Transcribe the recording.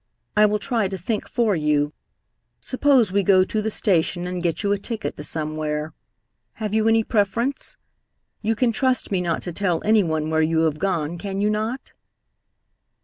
I will try to think for you. Suppose we go to the station and get you a ticket to somewhere. Have you any preference? You can trust me not to tell any one where you have gone, can you not?"